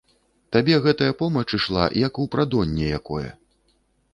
Табе гэтая помач ішла, як у прадонне якое.